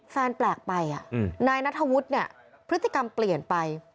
แฟนแปลกไปนายนัทธวุฒิเนี่ยพฤติกรรมเปลี่ยนไป